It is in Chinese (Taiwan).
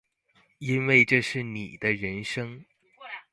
因為這是你的人生